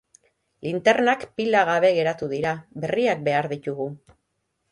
Linternak pila gabe geratu dira, berriak behar ditugu.